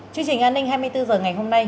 chương trình an ninh hai mươi bốn h ngày hôm nay